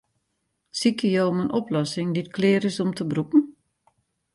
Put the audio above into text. Sykje jo om in oplossing dy't klear is om te brûken?